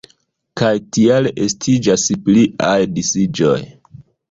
Kaj tial estiĝas pliaj disiĝoj.